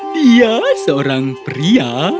dia seorang pria